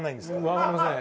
わかりません。